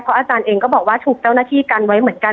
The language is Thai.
อาจารย์เองก็บอกว่าถูกเจ้าหน้าที่กันไว้เหมือนกัน